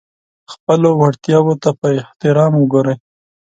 خپلو وړتیاوو ته په احترام وګورئ.